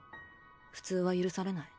普通は許されない。